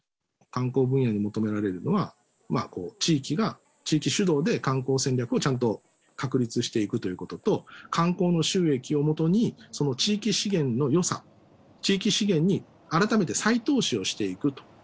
観光分野に求められるのは、地域主導で観光戦略をちゃんと確立していくということと、観光の収益をもとに、その地域資源のよさ、地域資源に改めて再投資をしていくと。